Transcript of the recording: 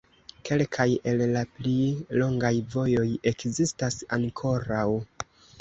Kelkaj el la pli longaj vojoj ekzistas ankoraŭ.